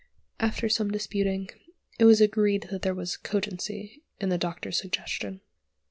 After some disputing, it was agreed that there was cogency in the Doctor's suggestion.